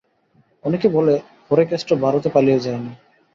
অনেকে বলে, হরেকেষ্ট ভারতে পালিয়ে যায়নি।